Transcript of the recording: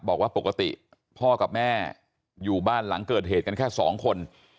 บอกว่าปกติพ่อกับแม่อยู่บ้านหลังเกิดเหตุกันแค่สองคน